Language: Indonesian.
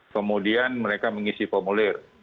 kemudian mereka mengisi formulir